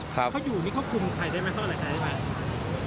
เขาอยู่นี่เขาคุมใครได้ไหมเขาอะไรได้ไหม